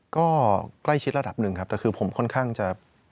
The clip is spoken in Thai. ก็ใกล้ชิดระดับหนึ่งครับแต่คือผมค่อนข้างจะ